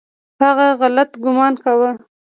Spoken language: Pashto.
هغه غلط ګومان کاوه .